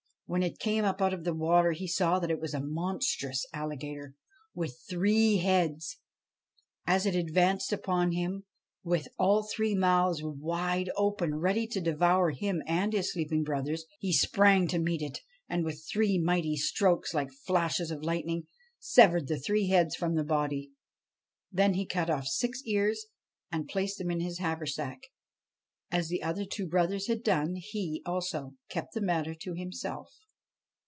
When it came up out of the water he saw that it was a monstrous alligator, with three heads. As it advanced upon him, with all three mouths wide open, ready to devour him and his sleeping brothers, he sprang to meet it, and, with three mighty strokes like flashes of lightning, severed the three heads from the body. Then he cut off the six ears and placed them in his haversack. As the other two brothers had done, he, also, kept the matter to himself.